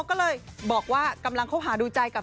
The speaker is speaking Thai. เหลือแค่ว่ามายอมรับหรือเปล่า